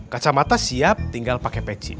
kacamata siap tinggal pakai peci